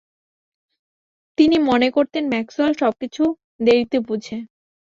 তিনি মনে করতেন ম্যাক্সওয়েল সবকিছু দেরিতে বুঝে।